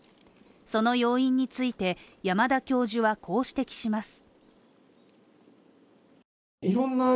その要因について山田教授はこう指摘します。